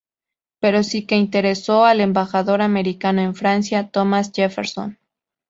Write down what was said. Pero sí que interesó al Embajador americano en Francia, Thomas Jefferson.